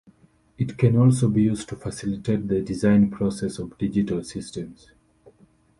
It can also be used to facilitate the design process of digital systems.